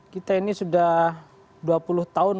kita ini sudah dua puluh tahun